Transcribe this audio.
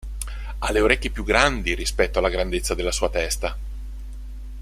Ha le orecchie più grandi rispetto alla grandezza della sua testa.